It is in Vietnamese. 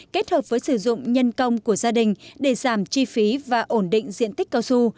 kết hợp với sử dụng nhân công của gia đình để giảm chi phí và ổn định diện tích cao su